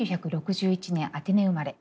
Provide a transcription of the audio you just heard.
１９６１年アテネ生まれ。